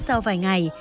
sau vài ngày